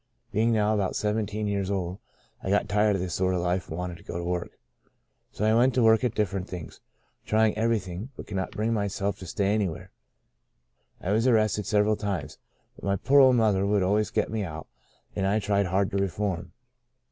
Being now about seventeen years old, I got tired of this sort of life, and wanted to go to work. So I went to work at different things, trying everything, but could not bring myself to stay anywhere. I was arrested several times, but my poor old mother would always get me out, and I tried hard to reform.